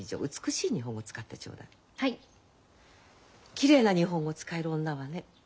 きれいな日本語使える女はね